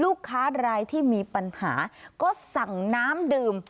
ลูกค้ารายที่มีปัญหาก็สั่งน้ำดื่ม